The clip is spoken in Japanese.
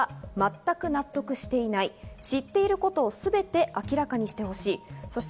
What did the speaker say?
これに対し漁師側は全く納得していない、知っていることをすべて明らかにしてほしい。